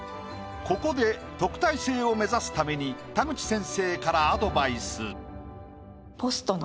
ここで特待生を目指すために田口先生からアドバイス。